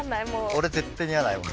俺絶対似合わないもん。